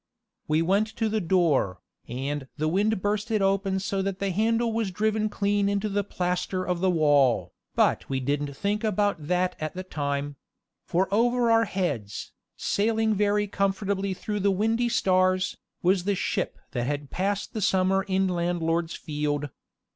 We went to the door, and the wind burst it open so that the handle was driven clean into the plaster of the wall, but we didn't think about that at the time; for over our heads, sailing very comfortably through the windy stars, was the ship that had passed the summer in landlord's field.